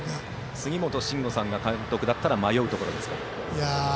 杉本真吾さんが監督だったら迷うところですか。